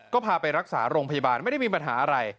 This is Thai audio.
ก็พาไปรักษาโรงพยาบาลไม่ได้มีปัญหาอะไร